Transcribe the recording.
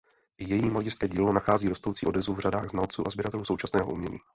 I její malířské dílo nachází rostoucí odezvu v řadách znalců a sběratelů současného umění.